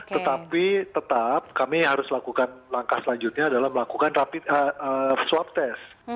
tetapi tetap kami harus lakukan langkah selanjutnya adalah melakukan swab test